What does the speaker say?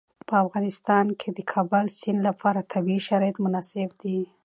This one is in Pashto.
په افغانستان کې د د کابل سیند لپاره طبیعي شرایط مناسب دي.